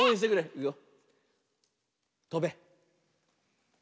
いくよ。